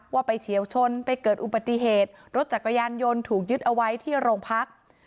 ไปเฉียวชนไปเกิดอุบัติเหตุรถจักรยานยนต์ถูกยึดเอาไว้ที่โรงพัก